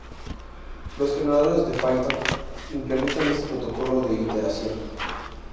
Los generadores de Python implementan este protocolo de iteración.